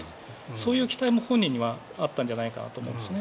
そういう期待も本人にはあったんじゃないかと思うんですね。